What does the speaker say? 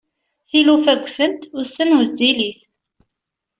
Tilufa ggtent, ussan wezzilit.